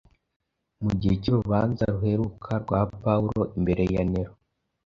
Mu gihe cy’urubanza ruheruka rwa Pawulo imbere ya Nero,